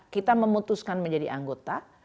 kita memutuskan menjadi anggota